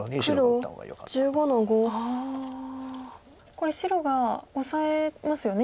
これ白がオサえますよね。